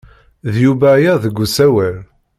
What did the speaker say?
D Yuba aya deg usawal.